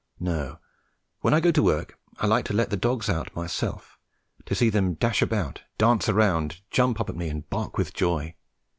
No, when I go to work, I like to let the dogs out myself, to see them dash about, dance around, jump up at me and bark with joy.